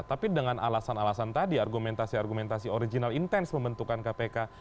tapi dengan alasan alasan tadi argumentasi argumentasi original intens pembentukan kpk